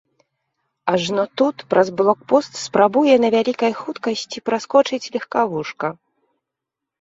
Ажно тут праз блокпост спрабуе на вялікай хуткасці праскочыць легкавушка.